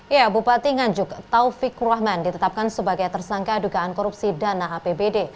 ya bupati nganjuk taufik rahman ditetapkan sebagai tersangka dugaan korupsi dana apbd